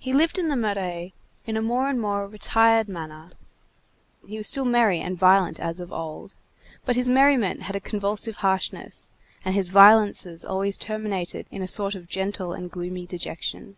He lived in the Marais in a more and more retired manner; he was still merry and violent as of old, but his merriment had a convulsive harshness, and his violences always terminated in a sort of gentle and gloomy dejection.